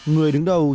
người đứng đầu